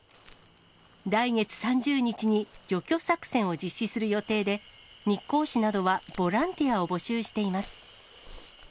来月３０日に除去作戦を実施する予定で、日光市などはボランティアを募集しています。